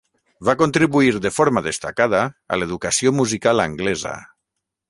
Va contribuir de forma destacada a l'educació musical anglesa.